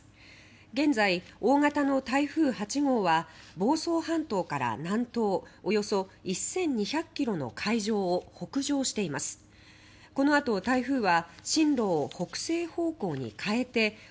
現在、大型の台風８号は房総半島から南東およそ１２００ｋｍの海上を北上しています。